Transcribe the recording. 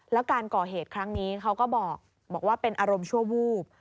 แล้วการก่อเหตุครั้งนี้เขาก็บอกว่าเป็นอารมณ์ชั่ววูบ